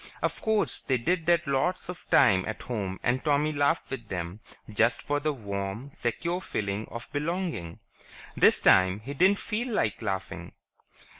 Of course, they did that lots of times at home and Tommy laughed with them just for the warm, secure feeling of belonging. This time he didn't feel like laughing.